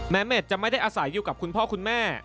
เม็ดจะไม่ได้อาศัยอยู่กับคุณพ่อคุณแม่